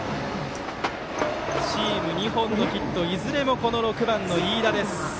チーム２本のヒットいずれも６番の飯田です。